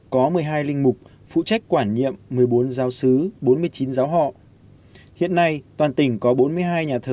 có một mươi hai linh mục phụ trách quản nhiệm một mươi bốn giáo sứ bốn mươi chín giáo họ hiện nay toàn tỉnh có bốn mươi hai nhà thờ